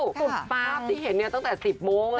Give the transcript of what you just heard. ปุ๊บป๊าบที่เห็นอย่างนี้ตั้งแต่๑๐โมง